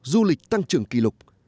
du lịch tăng trưởng kỷ lục